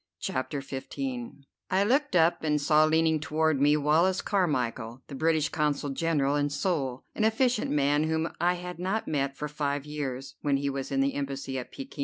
CHAPTER XV I looked up, and saw leaning toward me Wallace Carmichel, the British Consul General in Seoul, an efficient man whom I had not met for five years, when he was in the Embassy at Pekin.